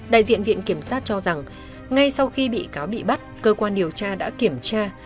đại diện viện kiểm sát cho rằng ngay sau khi bị cáo bị bắt cơ quan điều tra đã kiểm tra